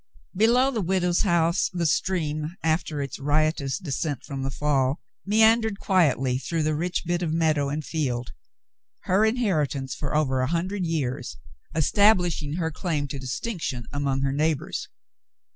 Below the widow's house, the stream, after its riotous descent from the fall, meandered quietly through the rich bit of meadow and field, her inheritance for over a hundred years, establishing her claim to distinction among her neighbors.